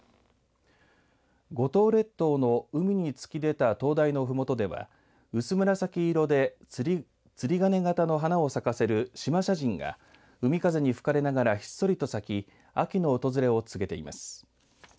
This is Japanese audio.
五島列島の海に突き出た灯台のふもとでは薄紫色で釣り鐘型の花を咲かせるシマシャジンが海風に吹かれながらひっそりと咲き秋の訪れを告げています。